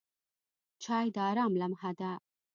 چای د آرام لمحه ده.